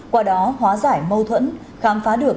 qua đó hóa giải mâu thuẫn khám phá được